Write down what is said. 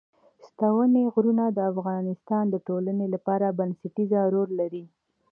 ستوني غرونه د افغانستان د ټولنې لپاره بنسټيز رول لري.